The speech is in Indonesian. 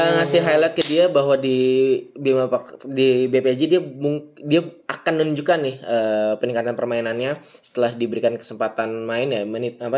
ngasih highlight ke dia bahwa di bpj dia akan menunjukkan nih peningkatan permainannya setelah diberikan kesempatan main ya menit apa